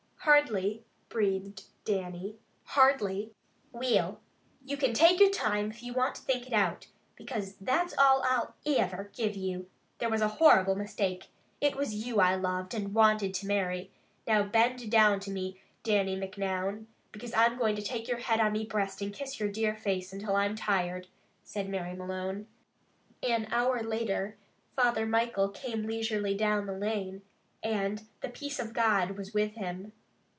"Hardly," breathed Dannie. "Hardly!" "Will, you can take your time if you want to think it out, because that's all I'll iver till you. There was a horrible mistake. It was YOU I loved, and wanted to marry. Now bend down to me, Dannie Micnoun, because I'm going to take your head on me breast and kiss your dear face until I'm tired," said Mary Malone. An hour later Father Michael came leisurely down the lane, and the peace of God was with him.